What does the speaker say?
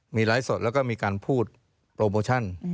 มีไลฟ์สดแล้วก็มีการพูดโปรโมชั่น